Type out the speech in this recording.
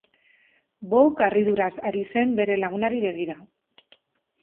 Bouc harriduraz ari zen bere lagunari begira.